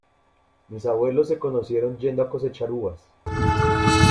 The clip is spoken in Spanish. Mis abuelos se conocieron yendo a cosechar uvas.